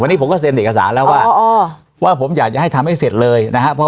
วันนี้ผมก็เซ็นเอกสารแล้วว่าว่าผมอยากจะให้ทำให้เสร็จเลยนะครับ